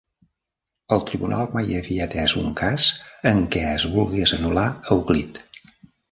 El tribunal mai havia atès un cas en què es volgués anul·lar "Euclid".